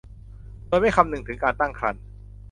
โดยไม่คำนึงถึงการตั้งครรภ์